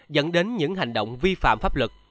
dẫn đến những hành động vi phạm pháp luật